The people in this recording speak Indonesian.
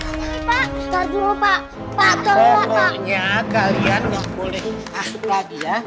kalau nya kalian gak boleh masuk lagi ya